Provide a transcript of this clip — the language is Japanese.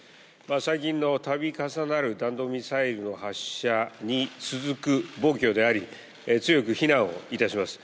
最近の度重なる弾道ミサイルの発射に続く暴挙であり、強く非難をいたします。